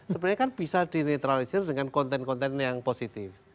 sebenarnya kan bisa dinetralisir dengan konten konten yang positif